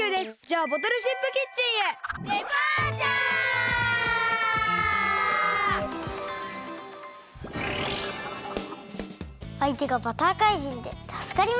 あいてがバターかいじんでたすかりましたね！